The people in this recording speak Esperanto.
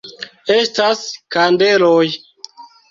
Estas kandeloj!